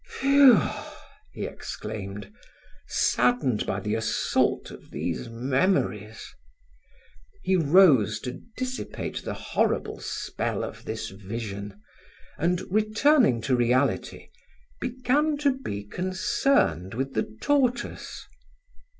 "Phew!" he exclaimed, saddened by the assault of these memories. He rose to dissipate the horrible spell of this vision and, returning to reality, began to be concerned with the tortoise.